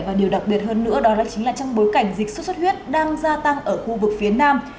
và điều đặc biệt hơn nữa đó chính là trong bối cảnh dịch sốt xuất huyết đang gia tăng ở khu vực phía nam